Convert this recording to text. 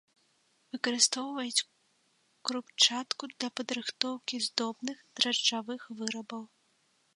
Выкарыстоўваюць крупчатку для падрыхтоўкі здобных дражджавых вырабаў.